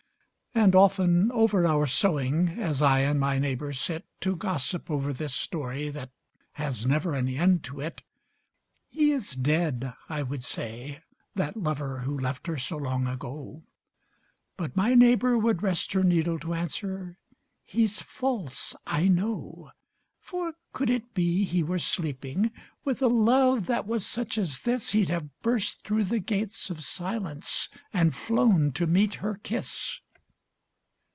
And often over our sewing, As I and my neighbour sit To gossip over this story That has never an end to it, "He is dead," I would say, "that lover, Who left her so long ago," But my neighbour would rest her needle To answer, "He's false I know." "For could it be he were sleeping. With a love that was such as this He'd have burst through the gates of silence, And flown to meet her kiss."